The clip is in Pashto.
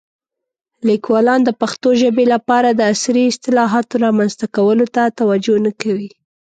لیکوالان د پښتو ژبې لپاره د عصري اصطلاحاتو رامنځته کولو ته توجه نه کوي.